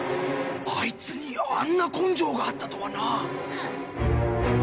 アイツにあんな根性があったとはな。